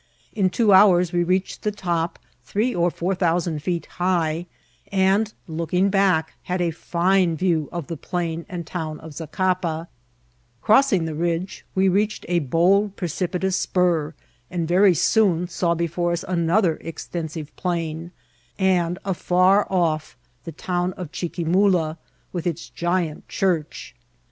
In two hours we reached the top, ^ee or four thousand feet hi;^ and, looking back, had a fine view of the plain and town of Zacapa« CIrossing the ridge, we reached a bold precipitous spur, and very soon saw before us another extensive plain, and, afar off, the town of Chiquimula, with its giant church.